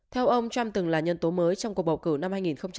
theo ông trump từng là nhân tố mới trong cuộc bầu cử năm hai nghìn một mươi sáu